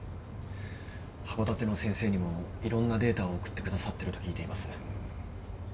函館の先生にもいろんなデータを送ってくださってると聞いています。